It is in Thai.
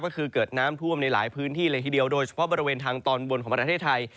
ก็คือเกิดน้ำท่วมในหลายพื้นที่เลยทีเดียวโดยเฉพาะบริเวณทางตอนบนของประเทศไทย